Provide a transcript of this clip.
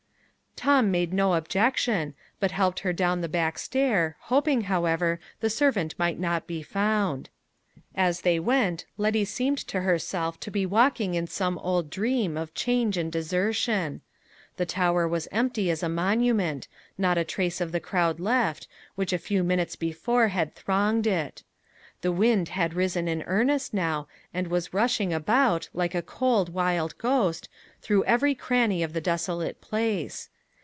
Tom made no objection, but helped her down the dark stair, hoping, however, the servant might not be found. As they went, Letty seemed to herself to be walking in some old dream of change and desertion. The tower was empty as a monument, not a trace of the crowd left, which a few minutes before had thronged it. The wind had risen in earnest now, and was rushing about, like a cold wild ghost, through every cranny of the desolate place.